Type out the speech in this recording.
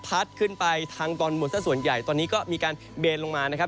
ขึ้นไปทางตอนบนซะส่วนใหญ่ตอนนี้ก็มีการเบนลงมานะครับ